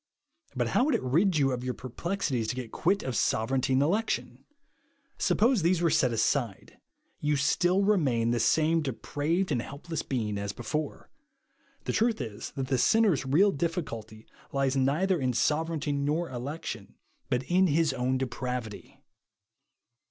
But how would it rid you of your per plexities to get quit of sovereignty and election? Suppose these were set aside, you still remain the same dejDraved and helpless being as before. The truth is, that the sinner's real difficulty lies neither m sovereignty nor election, but in his own dejpravity.